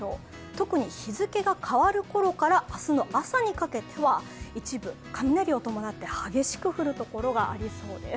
特に日付が変わるころから明日の朝にかけては一部雷を伴って激しく降るところがありそうです。